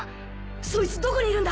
そいつどこにいるんだ！？